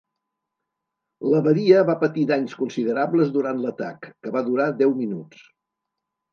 L'abadia va patir danys considerables durant l'atac, que va durar deu minuts.